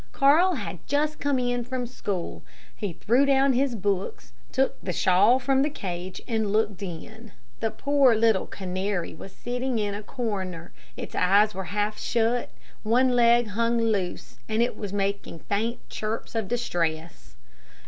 Carl had just come in from school. He threw down his books, took the shawl from the cage and looked in. The poor little canary was sitting in a corner. It eyes were half shut, one leg hung loose, and it was making faint chirps of distress.